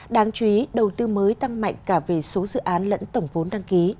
đáng chú ý đầu tư mới tăng mạnh cả về số dự án lẫn tổng vốn đăng ký